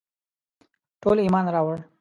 ټولو ایمان راووړ.